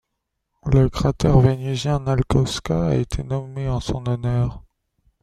Le cratère vénusien Nalkowska a été nommé en son honneur.